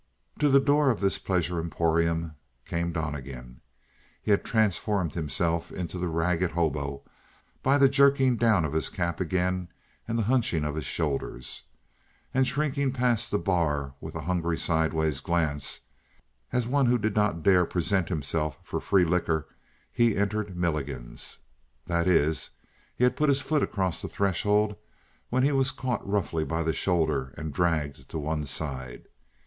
To the door of this pleasure emporium came Donnegan. He had transformed himself into the ragged hobo by the jerking down of his cap again, and the hunching of his shoulders. And shrinking past the bar with a hungry sidewise glance, as one who did not dare present himself for free liquor, he entered Milligan's. That is, he had put his foot across the threshold when he was caught roughly by the shoulder and dragged to one side.